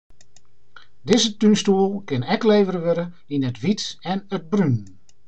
Dizze túnstoel kin ek levere wurde yn it wyt en it brún.